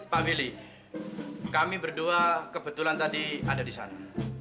pak willy kami berdua kebetulan tadi ada di sana